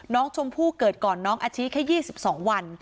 น้องชมพู่เกิดก่อนน้องอาชิแค่๒๒วัน